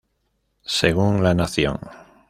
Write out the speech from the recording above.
Según La Nación.